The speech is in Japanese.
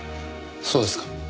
そうですか。